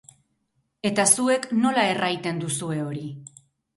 Eta zuek nola erraiten duzue hori?